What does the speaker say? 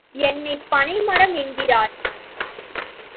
என்னைப் பனைமரம் என்கிறார்.